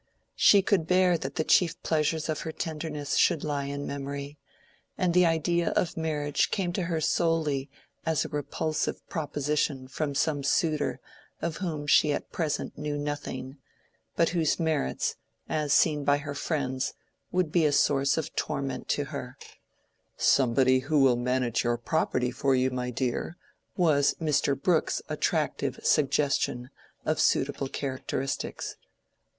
She could bear that the chief pleasures of her tenderness should lie in memory, and the idea of marriage came to her solely as a repulsive proposition from some suitor of whom she at present knew nothing, but whose merits, as seen by her friends, would be a source of torment to her:—"somebody who will manage your property for you, my dear," was Mr. Brooke's attractive suggestion of suitable characteristics.